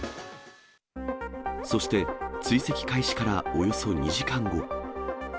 そして、追跡開始からおよそ２時間後。